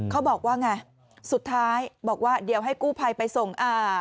เขาบอกว่าไงสุดท้ายบอกว่าเดี๋ยวให้กู้ภัยไปส่งอ่า